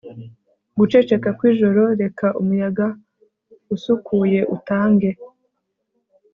Guceceka kwijoro Reka umuyaga usukuye utange